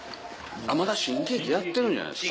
まだ新喜劇やってるんじゃないですか？